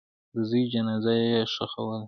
د زوی جنازه یې ښخوله.